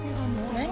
何？